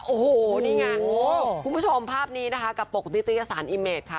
โอ้โหนี่ไงคุณผู้ชมภาพนี้นะคะกับปกติสารอิเมดค่ะ